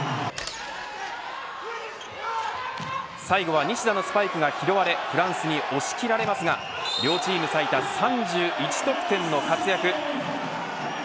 最後は西田のスパイクが拾われフランスに押し切られますが両チーム最多３１得点の活躍。